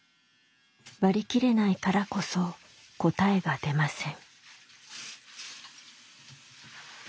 割り切れないからこそ答えが出ません。